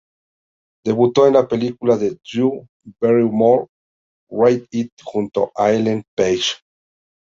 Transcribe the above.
Debutó en la película de Drew Barrymore "Whip It" junto a Ellen Page.